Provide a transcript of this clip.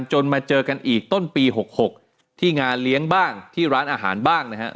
มาเจอกันอีกต้นปี๖๖ที่งานเลี้ยงบ้างที่ร้านอาหารบ้างนะครับ